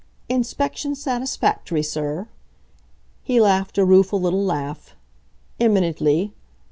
"Inspection satisfactory, sir?" He laughed a rueful little laugh. "Eminently.